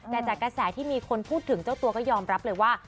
แต่จากกระแสที่มีคนพูดถึงเจ้าตัวก็ยอมรับเลยว่า